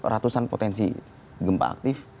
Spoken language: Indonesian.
ratusan potensi gempa aktif